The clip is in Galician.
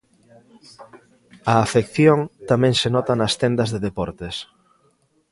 A afección tamén se nota nas tendas de deportes.